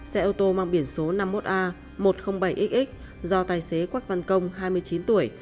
xe ô tô mang biển số năm mươi một a một trăm linh bảy xx do tài xế quách văn công hai mươi chín tuổi